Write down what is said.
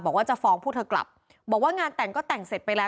บอกว่าจะฟ้องพวกเธอกลับบอกว่างานแต่งก็แต่งเสร็จไปแล้ว